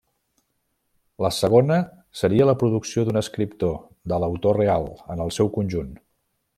La segona seria la producció d'un escriptor, de l'autor real, en el seu conjunt.